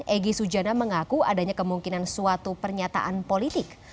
egy sujana mengaku adanya kemungkinan suatu pernyataan politik